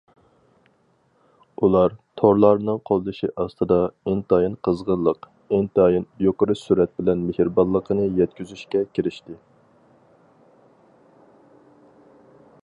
ئۇلار تورلارنىڭ قوللىشى ئاستىدا، ئىنتايىن قىزغىنلىق، ئىنتايىن يۇقىرى سۈرەت بىلەن مېھرىبانلىقىنى يەتكۈزۈشكە كىرىشتى.